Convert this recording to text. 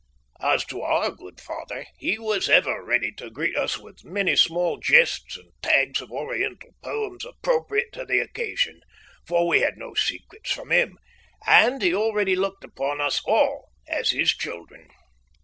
As to our good father, he was ever ready to greet us with many small jests and tags of Oriental poems appropriate to the occasion, for we had no secrets from him, and he already looked upon us all as his children.